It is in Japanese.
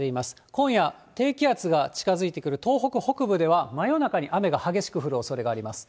今夜、低気圧が近づいてくる東北北部では真夜中に雨が激しく降るおそれがあります。